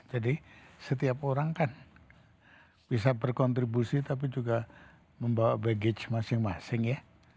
jadi setiap orang kan bisa berkontribusi tapi juga membawa baggage masing masing ya